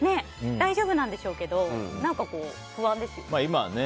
大丈夫なんでしょうけど何か不安ですよね。